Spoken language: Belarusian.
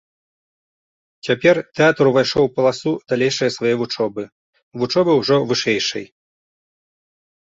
Цяпер тэатр увайшоў у паласу далейшае свае вучобы, вучобы ўжо вышэйшай.